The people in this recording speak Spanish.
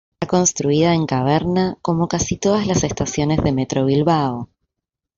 Será construida en caverna, cómo casi todas las estaciones de Metro Bilbao.